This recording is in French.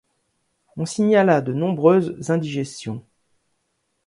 On signala de nombreuses indigestions.